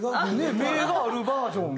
目があるバージョン。